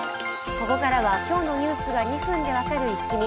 ここからは今日のニュースが２分で分かるイッキ見。